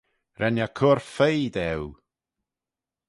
Ren eh cur fuygh daue.